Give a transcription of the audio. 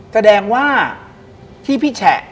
แสดงว่าที่พี่แฉะ